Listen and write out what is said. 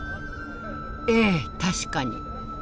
ええ確かに。